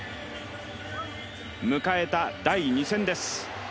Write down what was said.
迎えた第２戦です。